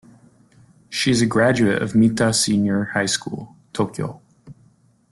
She is a graduate of Mita Senior High School, Tokyo.